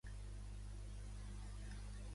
Manuel Esparza Sanz és un ciclista nascut a Sabadell.